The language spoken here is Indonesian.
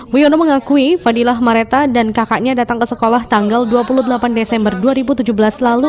wiono mengakui fadilah mareta dan kakaknya datang ke sekolah tanggal dua puluh delapan desember dua ribu tujuh belas lalu